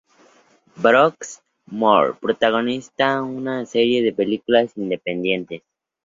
Brooks," Moore protagonizó una serie de películas independientes.